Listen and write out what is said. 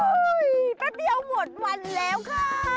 แป๊บเดียวหมดวันแล้วค่ะ